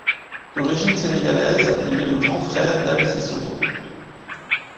D'origine sénégalaise, il est le grand frère d'Aly Cissokho.